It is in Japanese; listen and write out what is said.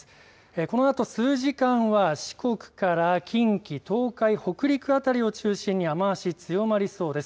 このあと数時間は四国から近畿、東海、北陸辺りを中心に雨足強まりそうです。